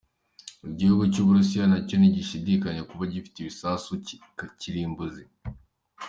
Igihugu cy’u Burusiya, nacyo ntigishidikanywaho kuba gifite ibisasu kirimbuzi.